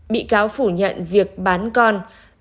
bị cáo phủ nhận việc bán con